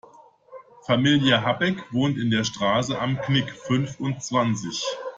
Familie Habeck wohnt in der Straße Am Knick fünfundzwanzig.